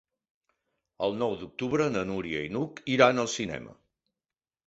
El nou d'octubre na Núria i n'Hug iran al cinema.